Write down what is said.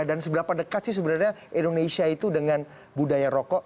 dan seberapa dekat sih sebenarnya indonesia itu dengan budaya rokok